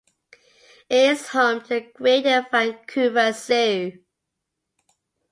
It is home to the Greater Vancouver Zoo.